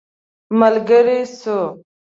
ملګری سو.